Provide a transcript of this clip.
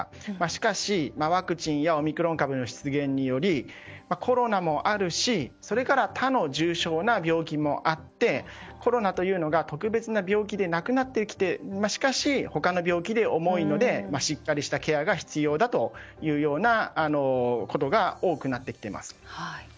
しかし、ワクチンやオミクロン株の出現によりコロナもあるしそれから他の重傷な病気があってコロナという特別な病気で亡くなって他の病気で重いのでしっかりしたケアが必要だというようなことが多くなってきています。